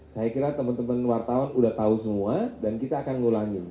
saya kira teman teman wartawan sudah tahu semua dan kita akan ngulangi